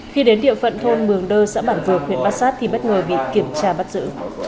khi đến địa phận thôn mường đơ xã bản vược huyện bát sát thì bất ngờ bị kiểm tra bắt giữ